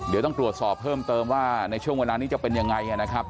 เดี๋ยวต้องตรวจสอบเพิ่มเติมว่าในช่วงเวลานี้จะเป็นยังไงนะครับ